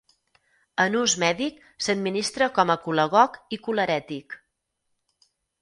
En ús mèdic, s'administra com a colagog i colerètic.